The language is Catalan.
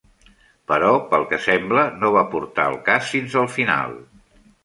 Però, pel que sembla, no va portar el cas fins al final.